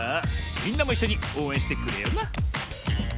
みんなもいっしょにおうえんしてくれよな。